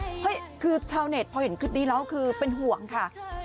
เฮ้ยคือชาวเน็ตพอเห็นคลิปนี้แล้วคือเป็นห่วงค่ะ